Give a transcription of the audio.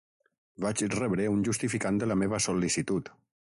Vaig rebre un justificant de la meva sol·licitud.